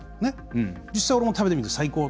実際、食べてみて最高。